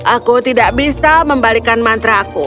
aku tidak bisa membalikan mantra ku